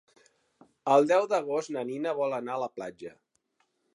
El deu d'agost na Nina vol anar a la platja.